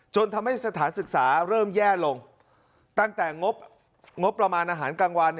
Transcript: จนทำให้สถานศึกษาเริ่มแย่ลงตั้งแต่งบประมาณอาหารกลางวัน